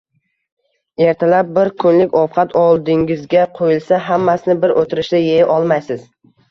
Ertalab bir kunlik ovqat oldingizga qo‘yilsa, hammasini bir o‘tirishda yeya olmaysiz.